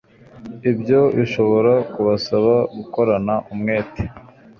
Ibyo bishobora kubasaba gukorana umwete